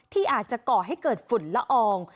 ที่อาจจะก่อให้เกิดฝุ่นละออง